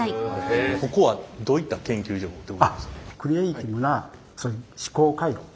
ここはどういった研究所でございますか？